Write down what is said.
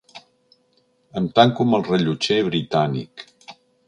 Em tanco amb el rellotger britànic.